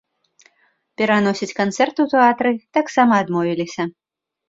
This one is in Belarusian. Пераносіць канцэрт у тэатры таксама адмовіліся.